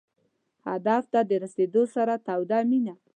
هدف ته د رسېدو سره توده مینه.